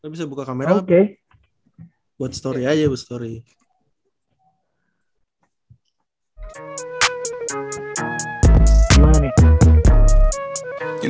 bisa buka kamera gak bu